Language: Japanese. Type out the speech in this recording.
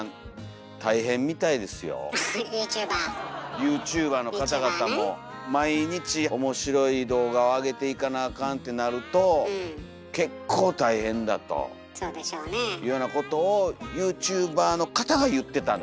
ユーチューバーの方々も毎日面白い動画をあげていかなあかんってなると結構大変だというようなことをユーチューバーの方が言ってたんで。